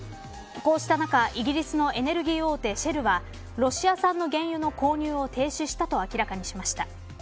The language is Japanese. こうした中、イギリスのエネルギー大手シェルはロシア産の原油の購入を停止したと発表しました。